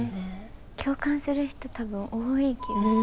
共感する人多分多い気がする。